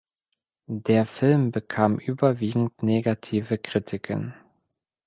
Der Film bekam überwiegend negative Kritiken.